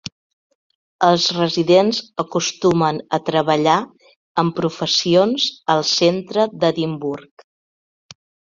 Els residents acostumen a treballar en professions al centre d'Edimburg.